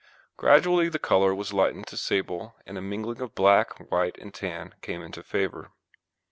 Gradually the colour was lightened to sable and a mingling of black, white, and tan came into favour.